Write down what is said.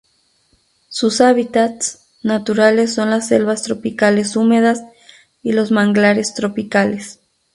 Sus hábitats naturales son las selvas tropicales húmedas y los manglares tropicales.